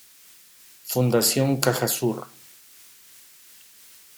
Fundación CajaSur.